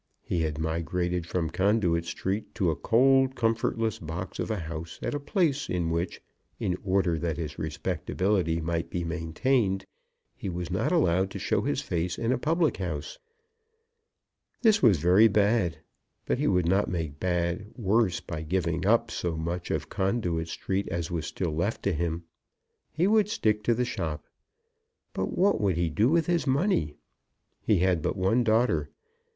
He had migrated from Conduit Street to a cold, comfortless box of a house at a place in which, in order that his respectability might be maintained, he was not allowed to show his face in a public house. This was very bad, but he would not make bad worse by giving up so much of Conduit Street as was still left to him. He would stick to the shop. But what would he do with his money? He had but one daughter.